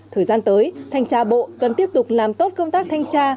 thời gian tới thanh tra bộ cần tiếp tục làm tốt công tác thanh tra